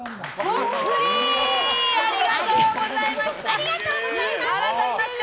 そっくり！ありがとうございました。